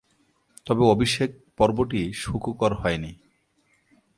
তবে, অভিষেক পর্বটি সুখকর হয়নি তার।